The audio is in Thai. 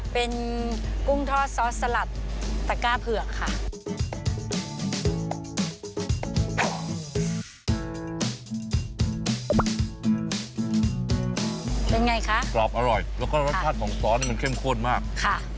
เป็นกุ้งทอดซอสสลัดตะก้าเผือกค่ะ